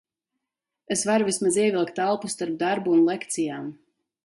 Es varu vismaz ievilkt elpu starp darbu un lekcijām.